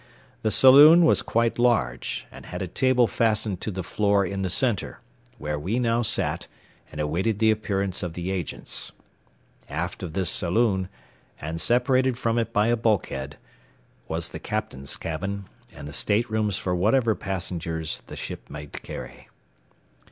The saloon was quite large and had a table fastened to the floor in the centre, where we now sat and awaited the appearance of the agents. Aft of this saloon, and separated from it by a bulkhead, was the captain's cabin and the staterooms for whatever passengers the ship might carry.